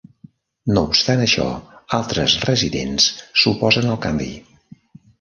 No obstant això, altres residents s'oposen al canvi.